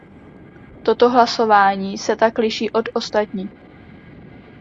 Toto hlasování se tak liší od ostatních.